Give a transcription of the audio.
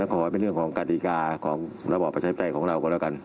ขอให้เป็นเรื่องของกฎิกาของระบอบประชาธิปไตยของเราก็แล้วกัน